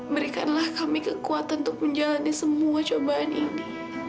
berikanlah kami kekuatan untuk menjalani semua cobaan ini